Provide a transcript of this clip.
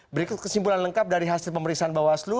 berikut kesimpulan lengkap dari hasil pemeriksaan bawaslu